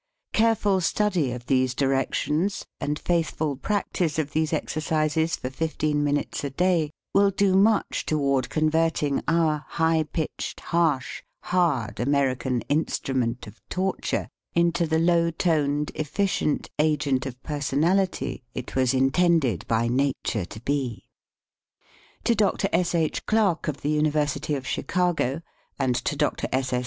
Careful study of these directions and faith ful practise of these exercises for fifteen min utes a day will do much toward converting our high pitched, harsh, hard American in strument of torture into the low toned, effi cient agent of personality it was intended by nature to be. To Dr. S. H. Clark of the University of Chicago, and to Dr. S. S.